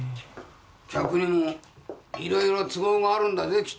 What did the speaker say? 客にも色々都合があるんだぜきっと